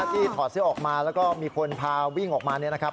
ถอดเสื้อออกมาแล้วก็มีคนพาวิ่งออกมาเนี่ยนะครับ